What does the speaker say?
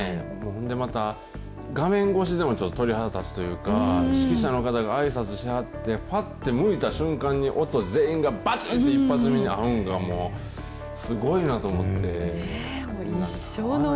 ほんでまた、画面越しでもちょっと、鳥肌立つというか、指揮者の方があいさつしはって、ふわっと向いた瞬間に、音、全員がばちんって一発目に合うんが、すごいなと思って。